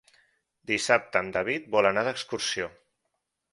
Dissabte en David vol anar d'excursió.